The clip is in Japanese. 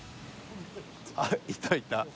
あっいたいた。